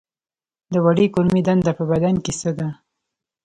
د وړې کولمې دنده په بدن کې څه ده